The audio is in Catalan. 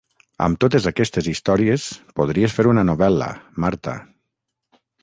Amb totes aquestes històries podries fer una novel·la, Marta.